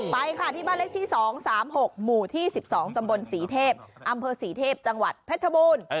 ไปค่ะที่บ้านเล็กที่๒๓๖หมู่ที่๑๒ตำบลศรีเทพอำเภอศรีเทพจังหวัดเพชรบูรณ์